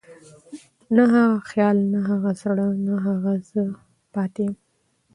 نه هغه خيال، نه هغه زړه، نه هغه زه پاتې يم